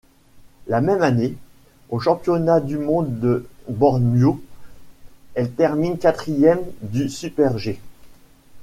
La même année, aux Championnats du monde de Bormio, elle termine quatrième du super-G.